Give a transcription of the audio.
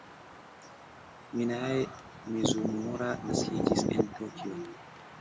Minae Mizumura naskiĝis en Tokio.